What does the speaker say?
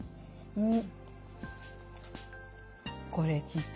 うん。